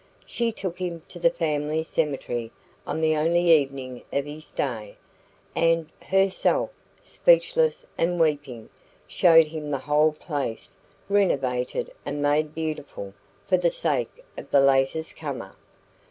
She took him to the family cemetery on the only evening of his stay, and, herself speechless and weeping, showed him the whole place renovated and made beautiful for the sake of the latest comer.